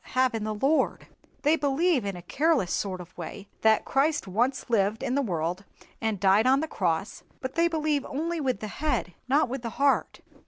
have in the Lord. They believe in a careless sort of way that Christ once lived in the world, and died on the cross, but they believe only with the head, not with the heart.